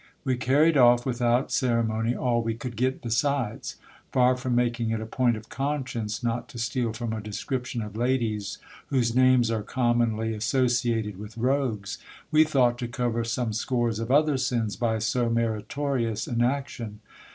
We carried off without ceremony all we could get besides. Far from making it a point of conscience not to steal from a description of ladies whose names are commonly associated with rogues, we thought to cover some scores of other sins by so meritorious an action.